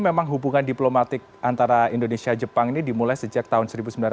memang hubungan diplomatik antara indonesia jepang ini dimulai sejak tahun seribu sembilan ratus sembilan puluh